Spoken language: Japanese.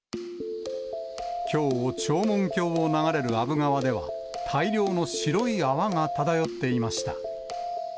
きょう、長門峡を流れる阿武川では、大量の白い泡が漂っていました。